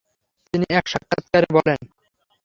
তিনি এক সাক্ষাতকারে বলেন